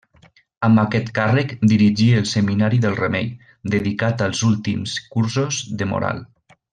Amb aquest càrrec dirigí el Seminari del Remei, dedicat als últims cursos de moral.